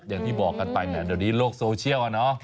อย่างที่บอกกันไปเดี๋ยวนี้โลกโซเชียล